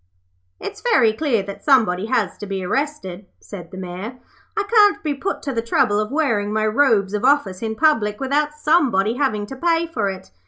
'It's very clear that somebody has to be arrested,' said the Mayor. 'I can't be put to the trouble of wearing my robes of office in public without somebody having to pay for it.